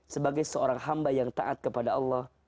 sebagai seorang hamba yang taat kepada allah